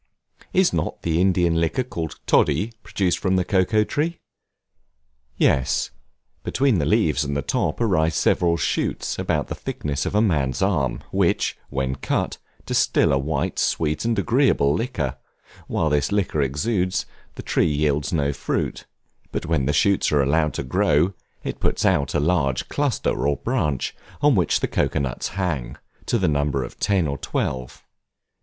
Is not the Indian liquor called Toddy, produced from the Cocoa Tree? Yes, between the leaves and the top arise several shoots about the thickness of a man's arm, which, when cut, distil a white, sweet, and agreeable liquor; while this liquor exudes, the tree yields no fruit; but when the shoots are allowed to grow, it puts out a large cluster or branch, on which the cocoa nuts hang, to the number of ten or twelve.